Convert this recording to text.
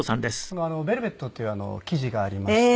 ベルベットっていう生地がありまして。